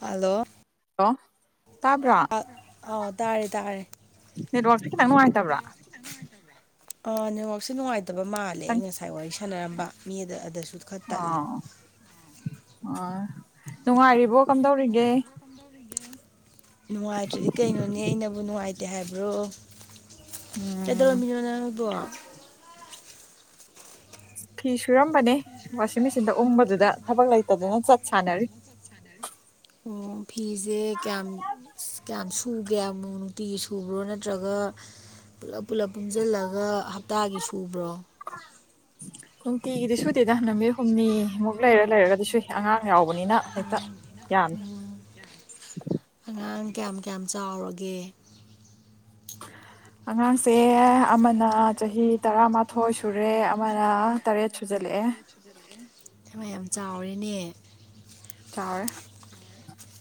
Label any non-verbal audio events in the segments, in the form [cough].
hello hello ꯇꯥꯕ꯭ꯔꯥ ꯑꯥ ꯇꯥꯔꯦ ꯇꯥꯔꯦ ꯋꯥ ꯈꯤꯇꯪꯅꯨꯡꯉꯥꯏꯇꯕ꯭ꯔꯥ ꯅꯦꯠꯋꯥꯛꯁꯦ ꯅꯨꯡꯉꯥꯏꯇꯕ ꯃꯥꯜꯂꯦ ꯑꯩ ꯉꯁꯥꯏ ꯋꯥꯔꯤ ꯁꯥꯟꯅꯔꯝꯕ ꯃꯤꯗ ꯑꯗꯨꯁꯨ ꯈꯨꯠꯈꯔ ꯇꯠꯂꯤ ꯑ ꯅꯨꯡꯉꯥꯏꯔꯤꯕꯣ ꯀꯝꯗꯧꯔꯤꯒꯦ ꯅꯨꯡꯉꯥꯏꯇ꯭ꯔꯗꯤ ꯀꯩꯅꯣꯅꯦ ꯑꯩꯅꯕꯨ ꯅꯨꯡꯉꯥꯏꯇꯦ ꯍꯥꯏꯕ꯭ꯔꯣ ꯎꯝ ꯑꯗꯃꯤꯔꯕ ꯐꯤ ꯁꯨꯔꯝꯕꯅꯦ ꯋꯥꯁꯤꯡ ꯃꯦꯆꯤꯟꯗ ꯎꯕꯗꯨꯗ ꯊꯕꯛ ꯂꯩꯇꯗꯅ ꯆꯠ ꯁꯥꯟꯅꯔꯤ [unintelligible] ꯑꯣ ꯐꯤꯁꯦ ꯀꯌꯥꯝ ꯀꯌꯥꯝ ꯁꯨꯒꯦꯨ ꯅꯨꯡꯇꯤꯒꯤ ꯁꯨꯕ꯭ꯔꯣ ꯅꯠꯇ꯭ꯔꯒ ꯄꯨꯂꯞ ꯄꯨꯂꯞ ꯄꯨꯟꯁꯤꯜꯂꯒ ꯍꯞꯇꯥꯒꯤ ꯁꯨꯕ꯭ꯔꯣ ꯎꯝ ꯅꯨꯡꯇꯤꯒꯤꯗꯤ ꯁꯨꯗꯦꯗ ꯅꯨꯃꯤꯠ ꯍꯨꯝꯅꯤꯃꯨꯛ ꯂꯩꯔ ꯂꯩꯔꯒꯗꯤ ꯁꯨꯏ ꯑꯉꯥꯡ ꯌꯥꯎꯕꯅꯤꯅ ꯍꯦꯛꯇ ꯌꯥ ꯑꯉꯥꯡ ꯀꯌꯥꯝ ꯀꯌꯥꯝ ꯆꯥꯎꯔꯒꯦ ꯑꯉꯥꯡꯁꯦ ꯑꯃꯅ ꯆꯍꯤ ꯇꯔꯥꯃꯥꯊꯣꯏ ꯁꯨꯔꯦ ꯑꯃꯅ ꯇꯔꯦꯠ ꯁꯨꯖꯜꯂꯛꯑꯦ ꯊꯃ ꯌꯥꯝ ꯆꯥꯎꯔꯤꯅꯦ ꯆꯥꯎꯥꯔꯦ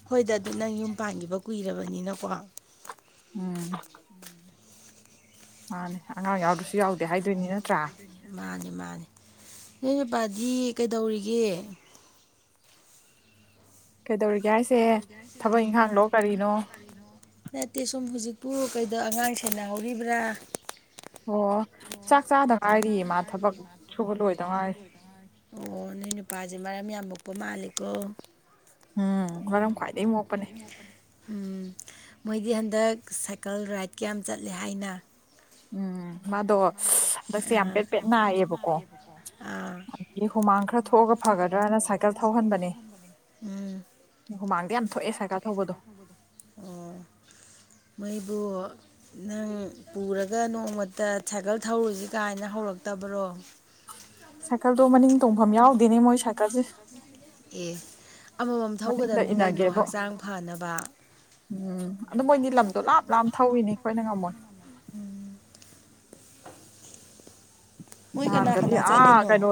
ꯍꯣꯏꯗ ꯑꯗꯨ ꯅꯪ ꯌꯨꯝ ꯄꯥꯟꯈꯤꯕ ꯀꯨꯏꯔꯕꯅꯤꯅꯀꯣ ꯎꯝ ꯃꯥꯅꯦ ꯑꯉꯥꯡ ꯌꯥꯎꯗꯁꯨ ꯌꯥꯎꯗꯦ ꯍꯥꯏꯗꯣꯏꯅꯤ ꯅꯠꯇ꯭ꯔꯥ ꯃꯥꯅꯦ ꯃꯥꯅꯦ ꯅꯣꯏ ꯅꯨꯄꯥꯗꯤ ꯀꯩꯗꯧꯔꯤꯒꯦ ꯀꯩꯗꯧꯔꯤꯒꯦ ꯍꯥꯏꯁꯦ ꯊꯕꯛ ꯏꯪꯈꯥꯡꯂꯣ ꯀꯔꯤꯅꯣ ꯇ ꯆꯨꯝ ꯏ ꯄꯨꯨ ꯀꯩꯗꯣ ꯑꯉꯥꯡ ꯁꯦꯟꯅꯍꯧꯔꯤꯕ꯭ꯔꯥ ꯑꯣ ꯆꯥꯛ ꯆꯥꯗ ꯉꯥꯏꯔꯤꯌꯦ ꯃꯥ ꯊꯕꯛ ꯁꯨꯕ ꯂꯣꯏꯗ ꯉꯥꯏꯔꯤ ꯑꯣ ꯅ ꯅꯨꯄꯥꯁꯦ ꯃꯔꯝꯌꯥꯝꯕꯨ ꯀ ꯃꯥꯂꯤꯀ ꯎꯝ ꯃꯔꯝ ꯈ꯭ꯋꯥꯏꯗꯒꯤ ꯃꯣꯛꯄꯅꯦ ꯎꯝ ꯃꯣꯏꯗꯤ ꯍꯟꯗꯛ ꯁꯥꯏꯀꯜ ꯔꯥꯏꯠ ꯀꯌꯥꯝ ꯆꯠꯂꯦ ꯍꯥꯏꯅ ꯎꯝ ꯎꯝ ꯃꯥꯗꯣ ꯍꯟꯗꯛꯁꯦ ꯌꯥꯝ ꯄꯦꯠ ꯄꯦꯠ ꯀꯌꯥꯝ ꯄꯦꯠꯄꯦꯠ ꯅꯥꯏꯌꯦꯕꯀꯣ ꯅꯥꯏꯌꯦꯕꯀꯣꯥꯡ ꯑꯗꯒꯤ ꯍꯨꯃꯥꯡ ꯈꯔ ꯊꯣꯛꯑꯒ ꯐꯒꯗ꯭ꯔꯅ ꯁꯥꯏꯀꯜ ꯊꯧꯍꯟꯕꯅꯤ ꯎꯝ ꯑꯣ ꯃꯩꯕꯨ ꯅꯪ ꯄꯨꯔꯒ ꯅꯣꯡꯃꯇ ꯁꯥꯏꯀꯜ ꯊꯧꯔꯨꯁꯤ ꯀꯥꯏꯅ ꯍꯧꯔꯛꯇꯕꯔꯣ ꯁꯥꯏꯀꯜꯗꯣ ꯃꯅꯤꯡ ꯇꯣꯡꯐꯝ ꯌꯥꯎꯗꯦꯅꯦ ꯃꯣꯏꯥꯏ ꯑꯦ ꯅꯣꯝ ꯃꯅꯤꯡꯗ ꯊꯧꯒꯗꯕꯅꯤ ꯀꯩꯅꯣ ꯏꯟꯅꯒꯦꯕꯣ ꯍꯛꯆꯥꯡ ꯐꯅꯕ ꯎꯝ ꯑꯗꯨ ꯃꯣꯏꯒꯤ ꯂꯝꯗꯣ ꯂꯥꯞ ꯂꯥꯞ ꯊꯧꯋꯅꯤ ꯑꯩꯈꯣꯏꯅ ꯉꯝꯃꯣꯏ ꯃꯣꯏ ꯀꯅꯥ ꯅꯍꯥꯟꯒꯗꯤ ꯀꯅꯥ ꯑꯥ ꯆꯠꯂꯤꯅꯣ ꯀꯩꯅꯣ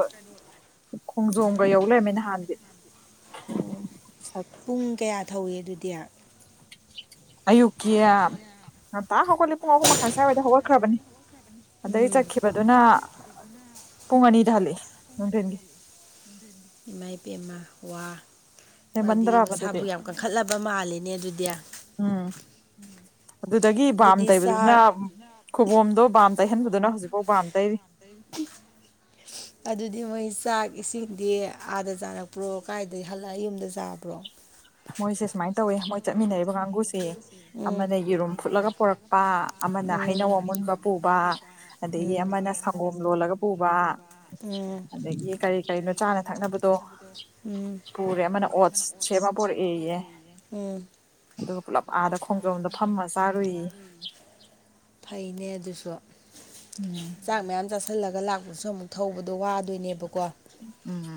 ꯈꯣꯡꯖꯣꯝꯒ ꯌꯧ ꯂꯩꯔꯝꯃꯦ ꯅꯍꯥꯟꯗꯤ ꯑꯣ ꯄꯨꯡ ꯀꯌꯥ ꯊꯧꯏꯦ ꯑꯗꯨꯗꯤ ꯑꯌꯨꯛꯀꯤ ꯍꯟꯇꯥ ꯍꯧꯒꯠꯂꯤ ꯄꯨꯡ ꯑꯍꯨꯝ ꯃꯈꯥꯏ ꯁ꯭ꯋꯥꯏꯋꯥꯏꯗ ꯍꯧꯒꯠꯈ꯭ꯔꯕꯅꯤ [inaudible] ꯑꯗꯩ ꯎꯝ ꯆꯠꯈꯤꯕꯗꯨꯅ ꯄꯨꯡ ꯑꯅꯤ ꯍꯥꯑꯣꯖꯤꯀꯇ ꯍꯜꯛꯏ ꯏꯃꯥ ꯏꯕꯦꯝꯃ ꯋꯥ ꯃꯥꯗꯤ ꯍꯦꯟꯃꯟꯗ꯭ꯔꯕ ꯃꯁꯥꯕꯨ ꯑꯗꯨꯗꯤ ꯌꯥꯝ ꯀꯟꯈꯠꯂꯕ ꯃꯥꯜꯂꯤꯅꯦ ꯑꯗꯨꯗꯤ ꯎꯝ [inaudible] ꯎꯝ ꯑꯗꯨꯗꯒꯤ ꯕꯥꯝ ꯇꯩꯕꯗꯨꯅ ꯈꯨꯕꯣꯝꯗꯣ ꯕꯥꯝ ꯇꯩꯍꯟꯕꯗꯨꯅ ꯍꯧꯖꯤꯛꯐꯥꯎ ꯄꯥꯝ ꯇꯩꯔꯤ ꯑꯗꯨꯗꯤ ꯃꯣꯏ ꯆꯥꯛ ꯏꯁꯤꯡꯗꯤ ꯑꯥꯗ ꯆꯥꯔꯛꯄ꯭ꯔꯣ ꯀꯥꯏꯗꯒꯤ ꯍꯜꯂꯛꯑ ꯌꯨꯝꯗ ꯆꯥꯕ꯭ꯔꯣ ꯃꯣꯏꯁꯦ ꯁꯨꯃꯥꯏꯅ ꯇꯧꯋꯦ ꯃꯣꯏ ꯆꯠꯃꯤꯟꯅꯔꯤꯕ ꯀꯥꯡꯒꯁꯦ ꯎꯝ ꯑꯃꯅ ꯌꯦꯔꯨꯝ ꯐꯨꯠꯂꯒ ꯄꯨꯣꯔꯛꯄ ꯑꯃꯅ ꯎꯝ ꯍꯩꯅꯧ ꯑꯃꯨꯟꯕ ꯄꯨꯕ ꯑꯗꯒꯤ ꯎꯝ ꯑꯃꯅ ꯁꯪꯒꯣꯝ ꯂꯣꯜꯂꯒ ꯄꯨꯕ ꯎꯝ ꯑꯗꯒꯤ ꯀꯔꯤ ꯀꯔꯤꯅꯣ ꯆꯥꯅ ꯊꯛꯅꯕꯗꯣ ꯎꯝ ꯄꯨꯔꯦ ꯑꯃꯅ ꯑꯣꯠ ꯁꯦꯝꯃ ꯄꯣꯔꯛꯑꯦꯌꯦ ꯎꯝ ꯑꯗꯨꯒ ꯄꯨꯂꯞ ꯑꯥꯗ ꯈꯣꯡꯖꯣꯝꯗ ꯐꯝꯃ ꯆꯥꯔꯨꯏ ꯐꯩꯅꯦ ꯑꯗꯨꯁꯨ ꯎꯝ ꯆꯥꯛ ꯃꯌꯥꯝ ꯆꯥꯁꯤꯜꯂꯒ ꯂꯥꯛꯄꯗꯨꯁꯨ ꯑꯃꯨꯛ ꯊꯧꯕꯗꯣ ꯋꯥꯗꯣꯏꯅꯦꯕꯀꯣ ꯎꯝ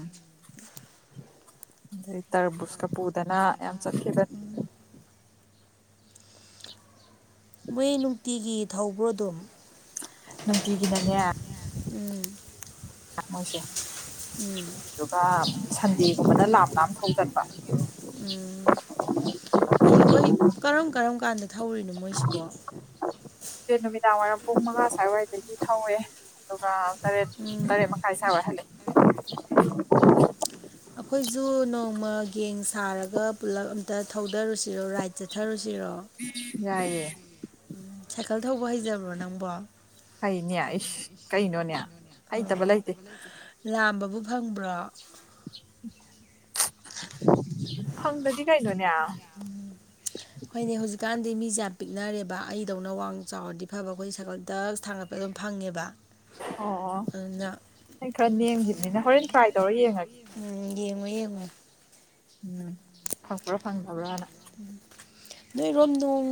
ꯇꯔꯕꯨꯁꯀ ꯄꯨꯗꯅ ꯌꯥꯝ ꯆꯠꯈꯤꯗꯅ ꯃꯣꯏ ꯅꯨꯡꯇꯤꯒꯤ ꯊꯧꯕ꯭ꯔꯣ ꯑꯗꯨ ꯅꯨꯡꯇꯤꯒꯤꯅꯅꯦ ꯎꯝ ꯃꯣꯏꯁꯦꯗꯨ ꯁꯟꯗꯦ [unintelligible] ꯂꯅꯥꯞ ꯅꯥꯞ ꯊꯣꯡ ꯆꯠꯄ ꯑꯌꯨꯛ ꯑꯌꯨꯛ ꯀꯔꯝ ꯀꯔꯝ ꯀꯥꯟꯗ ꯊꯧꯔꯤꯅꯣ ꯃꯣꯏꯁꯤꯕꯣ ꯍꯥꯑꯣꯔꯦꯟ ꯅꯨꯃꯤꯗꯥꯡ ꯃꯉꯥ ꯁꯨꯋꯥꯌꯗ ꯑꯗꯒꯤ ꯊꯧꯋꯦ ꯑꯗꯨꯒ ꯇꯔꯦꯠ ꯎꯝ ꯇꯔꯦꯠ ꯃꯈꯥꯏ ꯁꯥꯋꯦ ꯍꯂꯛ [inaudible] [inaudible] ꯑꯩꯈꯣꯏꯁꯨ ꯅꯣꯡꯃ ꯌꯦꯡ ꯁꯥꯔꯒ ꯄꯨꯜꯂꯞ ꯑꯝꯇ ꯊꯧꯗꯔꯨꯁꯤꯔꯣ ꯔꯥꯏꯠ ꯆꯠꯊꯔꯨꯁꯤꯔ ꯌꯥꯏꯌꯦ ꯁꯥꯏꯀꯜ ꯊꯧꯕ ꯍꯩꯖꯕ꯭ꯔꯣ ꯅꯪꯕꯣ ꯍꯩꯅꯦ ꯏꯁ ꯀꯩꯅꯣꯅꯦ ꯍꯩꯇꯕ ꯂꯩꯇꯦ ꯂꯥꯝꯕꯕꯨ ꯐꯪꯕ꯭ꯔꯣ [inaudible] [inaudible] ꯐꯪꯗꯗꯤ ꯀꯩꯅꯣꯅꯦ ꯑꯗꯩ ꯃꯤꯁꯦ ꯌꯥꯝ ꯄꯤꯛꯅꯔꯦꯕ ꯑꯩꯗꯧꯅ ꯋꯥ ꯆꯥꯎꯔꯗꯤ ꯐꯕ ꯑꯩꯈꯣꯏ ꯁꯥꯏꯀꯜꯗ ꯊꯥꯡꯒꯠꯄ ꯑꯗꯨꯝ ꯐꯪꯉꯦꯕ ꯑꯣ ꯑꯗꯨꯅ ꯑꯩ ꯈꯔꯥ ꯅꯦꯝꯈꯤꯕꯅꯤꯅ ꯍꯣꯔꯦꯟ ꯇ꯭ꯔꯥꯏ ꯇꯧꯔ ꯌꯦꯡꯉꯒꯦ ꯎꯝ ꯌꯦꯡꯉꯣ ꯌꯦꯡꯉꯣ ꯎꯝ ꯐꯪꯄ꯭ꯔꯣ ꯐꯪꯗꯕ꯭ꯔꯣꯅ ꯅꯣꯏꯔꯣꯝ ꯅꯣꯡ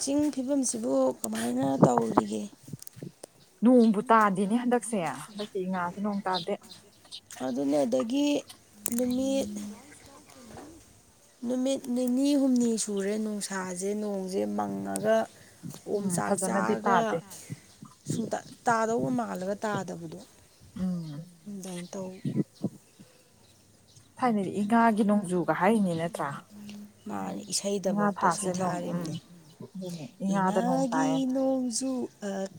ꯆꯤꯡ ꯐꯤꯕꯝꯁꯤꯕꯨ ꯀꯃꯥꯏꯅ ꯇꯧꯔꯤꯒꯦ ꯅꯣꯡꯕꯨ ꯇꯥꯗꯦꯅꯦ ꯍꯟꯗꯛꯁꯦ ꯍꯟꯗꯛꯀꯤ ꯉꯥꯁꯦ ꯅꯣꯡ ꯇꯥꯗꯦ ꯑꯗꯨꯅꯗꯒꯤ ꯅꯨꯃꯤꯠ ꯅꯨꯃꯤꯠ ꯅꯤꯅꯤ ꯍꯨꯝꯅꯤ ꯁꯨꯔꯦ ꯅꯨꯡꯁꯥꯁꯦ ꯅꯣꯡ ꯁꯦ ꯃꯪꯉꯒ ꯑꯣꯝ ꯎꯝ ꯆꯥꯛ ꯐꯖꯅꯗꯤ ꯆꯥꯑꯒ ꯇꯥꯗꯦ ꯁꯨꯝ ꯇꯥꯗꯧꯕ ꯃꯥꯜꯂꯒ ꯇꯥꯗꯕꯗꯣ ꯎꯝ ꯑꯗꯨꯗꯥꯏꯅ [inaudible] [inaudible] ꯊꯥꯏꯅꯗꯤ ꯏꯉꯥꯒꯤ ꯅꯣꯡꯖꯨꯒ ꯍꯥꯏꯔꯤꯅꯤ ꯅꯠꯇ꯭ꯔꯥ ꯃꯥꯅꯤ ꯏꯉꯥ ꯏꯁꯩꯗꯐꯧꯗ ꯊꯥꯁꯦ ꯅꯣꯡ ꯎꯝ ꯁꯩꯊꯥꯔꯤꯕꯝꯅꯤ ꯑꯗꯨꯅꯦ ꯏ ꯏꯉꯥꯗ ꯅꯣꯡ ꯉꯥꯒꯤ ꯇꯥꯏꯌꯦ ꯅꯣꯡꯖꯨ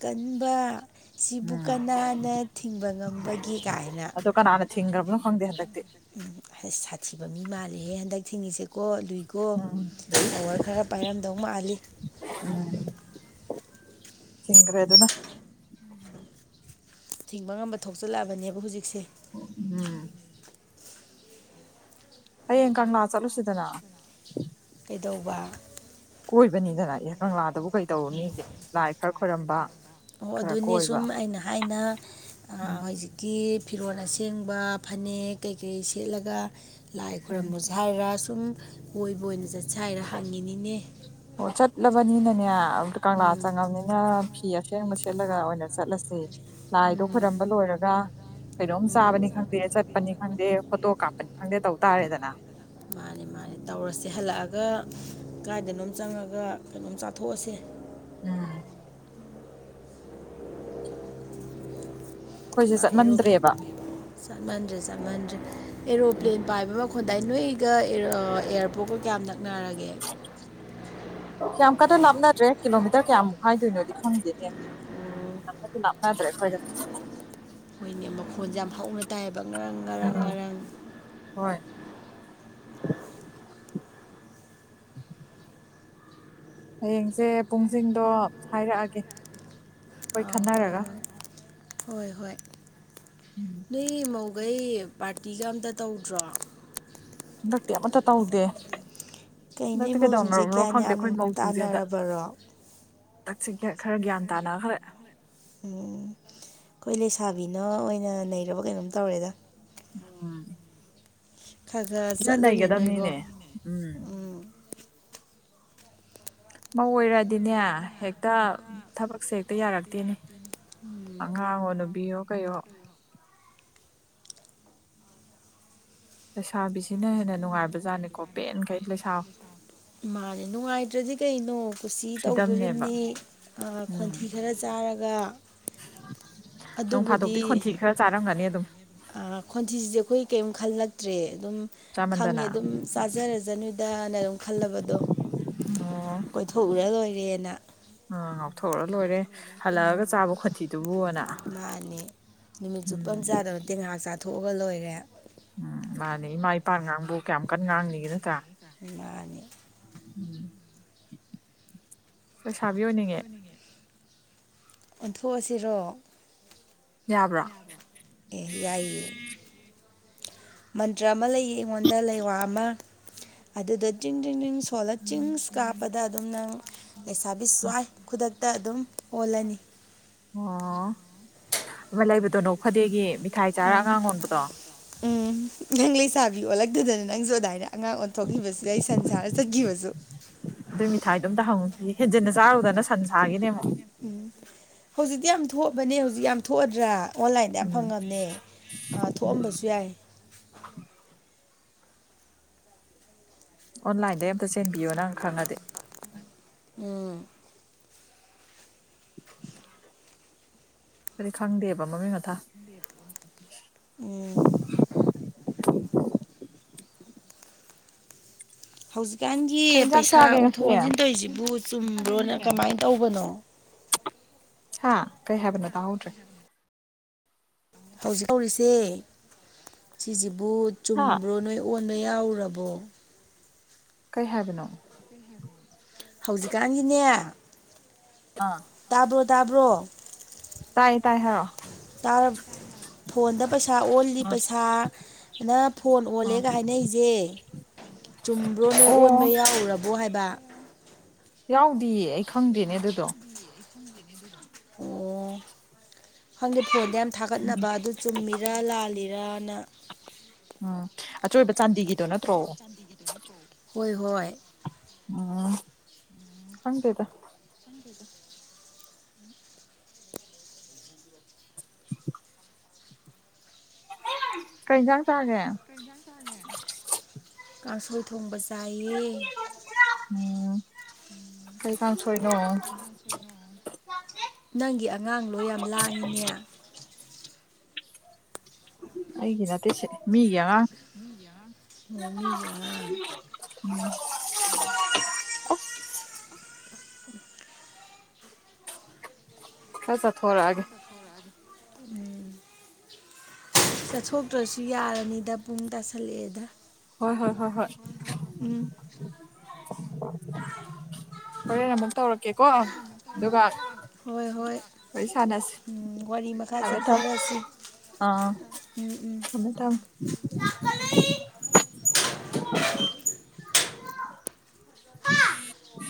ꯀꯟꯕ ꯁꯤꯕꯨ ꯎꯝ ꯀꯅꯥꯅ ꯊꯤꯡꯕ ꯉꯝꯕꯒꯦ ꯀꯥꯏꯅ ꯑꯗꯣ ꯀꯅꯥꯅ ꯊꯤꯡꯈ꯭ꯔꯕꯅꯣ ꯈꯪꯗꯦ ꯍꯟꯗꯛꯇꯤ ꯎꯝ ꯁꯥꯊꯤꯕ ꯃꯤ ꯃꯥꯜꯂꯦꯍꯦ ꯍꯟꯗꯛ ꯊꯤꯡꯉꯤꯁꯦ ꯀꯣ ꯂꯨꯏꯀꯣ ꯎꯝ ꯂꯣꯏ ꯄꯋꯥꯔ ꯈꯔ ꯄꯥꯏꯔꯝꯗꯧ ꯃꯥꯜꯂꯤ ꯊꯒ꯭ꯔꯦ ꯑꯗꯨꯅ ꯊꯤꯡꯕ ꯉꯝꯕ ꯊꯣꯛꯆꯜꯂꯛꯑꯕꯅꯦꯕ ꯍꯧꯖꯤꯛꯇ ꯎꯝ ꯍꯌꯦꯡ ꯀꯪꯂꯥ ꯆꯠꯂꯨꯁꯤꯗꯅ ꯀꯩꯗꯧꯕ ꯑꯣꯏꯕꯅꯤꯗꯅ ꯏꯍ ꯀꯪꯂꯥꯗꯕꯨ ꯀꯩ ꯇꯧꯔꯨꯅꯤꯒꯦ ꯂꯥꯏ ꯈꯔ ꯈꯣꯏꯔꯝꯕ ꯑꯣ ꯈꯔ ꯑꯗꯨꯅꯤ ꯀꯣꯏꯕ ꯁꯨꯝ ꯑꯩꯅ ꯍꯥꯏꯅ ꯎꯝ ꯑꯥ ꯍꯣꯏꯁꯦ ꯀꯀꯤ ꯐꯤꯔꯣꯜ ꯑꯁꯦꯡꯕ ꯐꯅꯦꯛ ꯀꯩꯀꯩ ꯁꯦꯠꯂꯒ ꯂꯥꯏ ꯎꯝ ꯈꯣꯏꯔꯝꯕꯁꯨ ꯍꯥꯏꯔ ꯁꯨꯝ ꯀꯣꯏꯕ ꯑꯣꯏꯅ ꯆꯠꯁꯦ ꯍꯥꯏꯔ ꯍꯪꯉꯤꯅꯤꯅꯦ ꯅꯤꯅꯦꯔꯀꯥꯥꯉ ꯎꯝ ꯐꯤ ꯑꯁꯦꯡꯕ ꯁꯦꯠꯂꯒ ꯑꯣꯏꯅ ꯆꯠꯂꯁꯤ ꯂꯥꯏꯗꯣ ꯎꯝ ꯈꯣꯏꯔꯝꯕ ꯂꯣꯏꯔꯒ ꯀꯩꯅꯣꯝ ꯆꯥꯕꯅꯤ ꯈꯪꯗꯦ ꯆꯠꯄꯅꯤ ꯈꯪꯗꯦ ꯐꯣꯇꯣ ꯀꯥꯞꯄꯅꯤ ꯈꯪꯗꯦ ꯇꯧ ꯇꯥꯔꯦꯗꯅ ꯃꯥꯅꯤ ꯃꯥꯅꯤ ꯇꯧꯔꯁꯦ ꯍꯜꯂꯛꯑꯒ ꯀꯥꯏꯗꯅꯣꯝ ꯆꯪꯉꯒ ꯀꯩꯅꯣꯝ ꯆꯥꯊꯣꯛꯑꯁꯦ ꯎꯝ ꯑꯩꯈꯣꯏꯁꯦ ꯆꯠꯃꯟꯗ꯭ꯔꯦꯕ ꯆꯠꯃꯟꯗ꯭ꯔꯦ ꯆꯠꯃꯟꯗ꯭ꯔꯦ ꯑꯦꯔꯣꯄ꯭ꯂꯦꯟ ꯄꯥꯏꯕ ꯍꯣꯟꯗꯥꯏ ꯅꯣꯏꯒ ꯑꯦꯌꯥꯔꯄꯣꯔꯠꯀ ꯀꯌꯥꯝ ꯅꯛꯅꯔꯒꯦ ꯀꯌꯥꯝ ꯀꯟꯅ ꯂꯥꯞꯅꯗ꯭ꯔꯦ ꯀꯤꯂꯣꯃꯤꯇꯔ ꯀꯌꯥꯃꯨꯛ ꯍꯥꯏꯗꯣꯏꯅꯣꯗꯤ ꯈꯪꯗꯦꯅꯦ ꯂꯞꯗꯤ ꯂꯥꯞꯅꯗ꯭ꯔꯦ ꯐꯣꯏ ꯍꯣꯏꯅꯦ ꯃꯈꯣꯟꯁꯦ ꯌꯥꯝ ꯍꯥꯎꯅ ꯇꯥꯏꯌꯦꯕ ꯉꯔꯥꯡ ꯉꯔꯪ ꯉꯔꯥꯡ ꯍꯣꯏ ꯎꯝ ꯍꯌꯦꯡꯁꯦ ꯄꯨꯡꯁꯤꯡꯗꯣ ꯍꯥꯏꯔꯛꯑꯒꯦ ꯑꯩꯈꯣꯏ ꯑꯥ ꯍꯣꯏ ꯈꯟꯅꯔꯒ ꯍꯣꯏ ꯍꯣꯏ ꯍꯣꯏ ꯅꯣꯏ ꯃꯧ ꯑꯩꯩ ꯄꯥꯔꯇꯤꯒ ꯑꯝꯇ ꯇꯧꯗ꯭ꯔꯣ ꯍꯟꯗꯛꯇꯤ ꯑꯃꯠꯇ ꯇꯧꯗꯦ ꯀꯩꯅꯣ ꯍꯟꯗꯛꯇꯤ ꯏꯃꯧꯁꯤꯡꯁꯦ ꯀꯩꯗꯧꯅꯝꯅꯣ ꯒ꯭ꯌꯥꯟ ꯈꯪꯗꯦ ꯌꯥꯝ ꯑꯩꯈꯣꯏ ꯃꯧꯁꯤꯡꯁꯦ ꯍꯗ ꯇꯥꯅꯔꯕꯔꯣ ꯇꯛꯆ ꯈꯔ ꯒ꯭ꯌꯥꯟ ꯇꯥꯅꯈ꯭ꯔ ꯎꯝ ꯑꯩꯈꯣꯏ ꯂꯩꯁꯥꯕꯤꯅ ꯑꯣꯏꯅ ꯅꯔꯕ ꯀꯩꯅꯣꯝ ꯇꯧꯔꯦꯗ ꯑꯣꯝ ꯈꯔ ꯈꯔ ꯅ ꯆꯠꯂꯨꯅꯦ ꯅꯩꯒꯗꯕꯅꯤꯅꯦ ꯅꯣꯏꯕꯣ ꯎꯝ ꯃꯧ ꯑꯣꯏꯔꯗꯤꯅꯦ ꯍꯦꯛꯇ ꯊꯕꯛꯁꯦ ꯍꯦꯛꯇ ꯛꯇ ꯌꯥꯔꯛꯇꯦꯅꯦ ꯑꯉꯥꯡꯉꯣ ꯅꯨꯕꯤꯌꯣ ꯀꯩꯌꯣ ꯂꯩꯁꯥꯕꯤꯁꯤꯅ ꯍꯦꯟꯅ ꯅꯨꯡꯉꯥꯏꯕꯖꯥꯠꯅꯤꯀꯣ ꯄꯦꯟꯈꯩ ꯂꯩꯁꯥ ꯃꯥꯅꯦ ꯅꯨꯡꯉꯥꯏꯇ꯭ꯔꯗꯤ ꯀꯩꯅꯣ ꯀꯁꯤ ꯐ꯭ꯔꯤꯗꯝꯅꯦꯕ ꯇꯧꯗꯣꯝꯅꯤ ꯎꯝ ꯈꯣꯟꯊꯤ ꯈꯔ ꯆꯥꯔꯒ ꯅꯣꯡ ꯑꯗꯨꯕꯨꯗꯤ ꯐꯥꯗꯣꯛꯇꯤ ꯈꯣꯟꯊꯤ ꯈꯔ ꯆꯥꯔꯝꯒꯅꯤ ꯑꯗꯨꯝ ꯈꯣꯟꯊꯤꯗꯤꯦ ꯑꯩꯈꯣꯏ ꯀꯔꯤꯝ ꯈꯜꯂꯛꯇ꯭ꯔꯦ ꯑꯗꯨꯝ ꯈꯪꯉꯦ ꯆꯥꯃꯟꯗꯅ ꯑꯗꯨꯝ ꯆꯥꯖꯔꯖ ꯅꯣꯏꯗꯅ ꯑꯗꯨꯝ ꯈꯜꯂꯕꯗꯣ ꯑꯣ ꯀꯣꯏꯊꯣꯛꯎꯔ ꯂꯣꯏꯔꯦꯅ ꯊꯣꯛꯔ ꯂꯣꯏꯔꯦ ꯍꯜꯂꯛꯑꯒ ꯆꯥꯕ ꯈꯣꯟꯊꯤꯗꯨꯕꯨꯅ ꯃꯥꯅꯦ ꯅꯨꯃꯤꯠ ꯆꯨꯞ ꯄꯝ ꯆꯥꯗꯕ ꯇꯦꯡꯍꯥꯛ ꯆꯥꯊꯣꯛꯑꯒ ꯂꯣꯏꯔꯦ ꯀꯝ ꯀꯅ ꯉꯥꯡꯅꯤꯒꯦꯅ ꯇ ꯃꯥꯅꯦ ꯂꯩꯁꯥꯕꯤ ꯑꯣꯏꯅꯤꯡꯉꯦ ꯑꯣꯟꯊꯣꯛꯑꯁꯤꯔꯣ ꯌꯥꯕ꯭ꯔꯣ ꯑꯦ ꯌꯥꯏ ꯃꯟꯇ꯭ꯔ ꯑꯃ ꯂꯩꯌꯦ ꯑꯩꯉꯣꯟꯗ ꯂꯩꯋꯥ ꯑꯃ ꯑꯗꯨꯗ ꯆꯤꯡ ꯆꯤꯡ ꯆꯤꯡ ꯁꯣꯂꯠ ꯆꯤꯡꯁ ꯀꯥꯞꯄꯗ ꯑꯗꯨꯝ ꯅꯪ ꯄꯩꯁꯥ ꯕꯤꯁ꯭ꯋꯥꯏ ꯈꯨꯗꯛꯇ ꯑꯗꯨꯝ ꯑꯣꯜꯂꯅꯤ ꯑꯣ ꯑꯩꯣꯏ ꯂꯩꯕꯗꯣꯅꯣ ꯐꯗꯤꯦꯛꯒꯤ ꯃꯤꯊꯥꯏ ꯆꯥꯔ ꯑꯉꯥꯡ ꯌꯣꯟꯕꯗꯣ ꯎꯝ ꯅꯪ ꯂꯩꯁꯥꯕꯤ ꯑꯣꯜꯂꯛꯇꯗꯅ ꯅꯪꯁꯨ ꯑꯗꯨꯃꯏꯗ ꯑꯉꯥꯡ ꯑꯣꯟꯊꯣꯛꯈꯤꯕꯁꯤꯗ ꯑꯩ ꯁꯟꯁꯥꯔ ꯆꯠꯈꯤꯕꯁꯨ ꯑꯗꯨꯏ ꯃꯤꯊꯥꯏꯗꯣꯝ ꯇꯥ ꯍꯪꯉꯨꯈꯤ ꯍꯦꯟꯖꯤꯟꯅ ꯆꯥꯔꯨꯗꯅ ꯁꯟ ꯁꯥꯈꯤꯅꯦꯛ ꯍꯧꯖꯤꯛꯇꯤ ꯌꯥꯝ ꯊꯣꯛꯑꯕꯅꯦ ꯍꯧꯖꯤꯛ ꯌꯥꯝ ꯊꯣꯛꯑꯗ꯭ꯔꯥ ꯑꯣꯟꯂꯥꯏꯟꯗ ꯌꯥꯝ ꯎꯝ ꯐꯪꯉꯕꯅꯦ ꯊꯣꯛꯑꯝꯕꯁꯨ ꯌꯥꯏ ꯑꯣꯟꯂꯥꯏꯟꯗꯩ ꯑ ꯑꯃꯇ ꯆꯦꯟꯕꯤꯌꯣ ꯅꯪ ꯈꯪꯉꯗꯤ ꯎꯝ [unintelligible] ꯀꯔꯤ ꯈꯪꯗꯦꯕ ꯃꯃꯤꯡ ꯃꯊꯥ ꯎꯝ ꯍꯧꯖꯤꯛꯀꯥꯟꯒꯤ ꯀꯩ ꯏꯟꯖꯥꯡ ꯄꯩꯁꯥ ꯆꯥꯒꯦ ꯉꯁꯤ ꯑꯣꯟꯊꯣꯛ ꯑꯣꯟꯁꯤꯟ ꯇꯧꯔꯤꯁꯤꯕꯨ ꯆꯨꯝꯕ꯭ꯔꯣꯅ ꯀꯃꯥꯏꯅ ꯇꯧꯕꯅꯣ ꯍꯥ ꯀꯩ ꯍꯥꯏꯕꯅ ꯇꯥꯍꯧꯗ꯭ꯔꯦ ꯍꯧꯖꯤꯛ ꯍꯧꯔꯤꯁꯦ ꯁꯤꯁꯤꯕꯨ ꯍꯥ ꯆꯨꯝꯕ꯭ꯔꯣ ꯅꯣꯏ ꯑꯣꯟ ꯃ ꯌꯥꯎꯔꯕꯣ ꯀꯩ ꯍꯥꯏꯕꯅꯣ ꯍꯧꯖꯤꯛꯀꯥꯟꯒꯤꯅꯦ ꯑꯥ ꯇꯥꯕ꯭ꯔꯣ ꯇꯥꯕ꯭ꯔꯣ ꯇꯥꯏ ꯇꯥꯏ ꯍꯥꯏꯔꯣ ꯇꯔꯞ ꯐꯣꯟꯗ ꯄꯩꯁꯥ ꯑꯣꯜꯂꯤ ꯄꯩꯁꯥꯅ ꯐꯣꯟ ꯑꯥ ꯑꯥ ꯑꯣꯜꯂꯦꯒ ꯍꯥꯏꯅꯩꯁꯦ ꯆꯨꯝꯕ꯭ꯔꯣꯅꯦ ꯑꯣ ꯑꯣꯟꯕ ꯌꯥꯎꯔꯨꯔꯥꯕꯣ ꯍꯥꯏꯕ ꯌꯥꯎꯗꯤꯌꯦ ꯑꯩ ꯈꯪꯗꯦꯅꯦ ꯑꯗꯨꯗꯣ ꯑꯣ ꯈꯪꯗꯦ ꯐꯣꯟꯗ ꯌꯥꯝ ꯊꯥꯒꯠꯅꯕ ꯑꯗꯨ ꯆꯨꯝꯃꯤꯔꯥ ꯂꯥꯜꯂꯤ ꯔꯥꯅ ꯎꯝ ꯑꯆꯣꯏꯕ ꯆꯥꯟꯗꯤꯒꯤꯗꯣ ꯅꯠꯇ꯭ꯔꯣ ꯍꯣꯏ ꯍꯣꯏ ꯎꯝ ꯈꯡꯇꯦꯗ [inaudible] ꯀꯩ ꯍꯤꯟꯖꯥꯡ ꯀꯥꯡꯁꯣꯏ ꯊꯣꯡꯕ ꯆꯥꯏꯌꯦ ꯎꯝ ꯀꯩꯀꯥꯡ ꯁꯣꯏꯅꯣ ꯅꯪꯒꯤ ꯑꯉꯥꯡ ꯂꯣꯏ ꯌꯥꯝ ꯂꯥꯡꯉꯤꯅꯦ ꯑꯩꯒꯤꯔ ꯃꯤꯌꯥ [inaudible] ꯈꯔꯥ ꯆꯠ ꯊ ꯎꯝ ꯆꯠꯊꯣꯛꯇ꯭ꯔꯁꯨ ꯌꯥꯔꯅꯤꯗ ꯄꯨꯡ ꯇꯥꯁꯜꯂꯛꯑꯦꯗ ꯍꯣꯏ ꯍꯣꯏ ꯍꯣꯏ ꯍꯣꯏ ꯎꯝ ꯍꯣꯔꯦꯟ ꯑꯃꯛ ꯇꯔꯛ ꯀꯦꯀꯣ ꯑꯗꯨꯒ ꯍꯣꯏ ꯍꯣꯏ ꯋꯥꯔꯤ ꯁꯥꯟꯅꯁꯤ ꯎꯝ ꯋꯥꯔꯤ ꯃꯈꯥ ꯐꯔꯦ ꯊꯝ ꯆꯠꯊꯔꯁꯤ ꯑꯥ ꯎꯝ ꯎꯝ ꯊꯃꯦ ꯊꯃꯦ [inaudible] [inaudible]